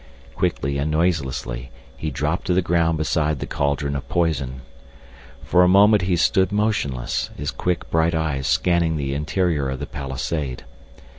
Quickly and noiselessly he dropped to the ground beside the cauldron of poison. For a moment he stood motionless, his quick, bright eyes scanning the interior of the palisade.